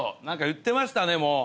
何か言ってましたね。